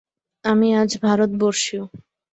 আমি আজ ভারতবর্ষীয়।